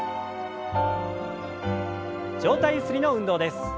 上体ゆすりの運動です。